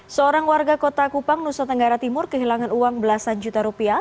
seorang warga kota kupang nusa tenggara timur kehilangan uang belasan juta rupiah